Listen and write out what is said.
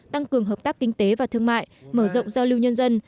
tăng cường hợp tác kinh tế và thương mại mở rộng giao lưu nhân dân